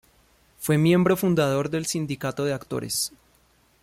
Fue miembro fundador del Sindicato de Actores.